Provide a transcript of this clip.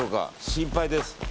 心配です。